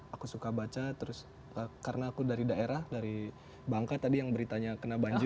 aku suka baca terus karena aku dari daerah dari bangka tadi yang beritanya kena banjir